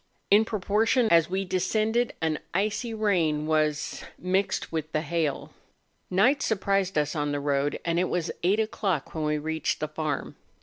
In proportion as we descended an icy rain was 302 MOUNTAIN ADVENTUKES. mixed with the hail. Night surprised us on the road; and it was eight o'clock when we reached the farm.